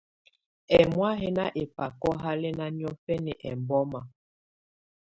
Ɛ́mɔ̀á yɛ́ ná ɛbakɔ̀ halɛna niɔ̀gǝna ɛmbɔma.